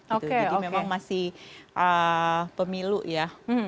jadi memang masih pemilu ya